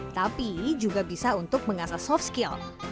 tapi juga bisa untuk mengasah soft skill